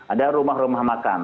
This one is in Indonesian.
ada rumah rumah makan